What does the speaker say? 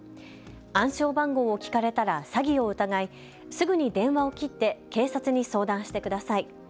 暗証番号を聞かれたら詐欺を疑いすぐに電話を切って警察に相談してください。